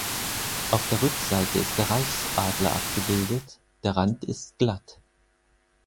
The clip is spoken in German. Auf der Rückseite ist der Reichsadler abgebildet, der Rand ist glatt.